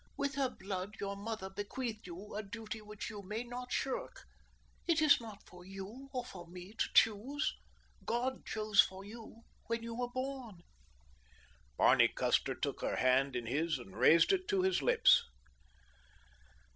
"With her blood your mother bequeathed you a duty which you may not shirk. It is not for you or for me to choose. God chose for you when you were born." Barney Custer took her hand in his and raised it to his lips.